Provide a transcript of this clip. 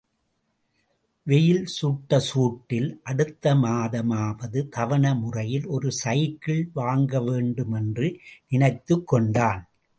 வெயில் சுட்ட சூட்டில் அடுத்த மாதமாவது தவணை முறையில் ஒரு சைக்கிள் வாங்க வேண்டும் என்று நினைத்துக் கொண்டான்.